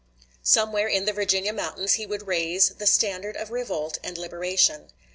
Somewhere in the Virginia mountains he would raise the standard of revolt and liberation.